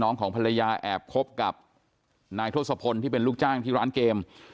ของภรรยาแอบคบกับนายทศพลที่เป็นลูกจ้างที่ร้านเกม